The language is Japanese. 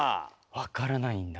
わからないんだ。